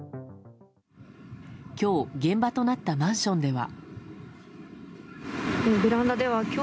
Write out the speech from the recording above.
今日現場となったマンションでは。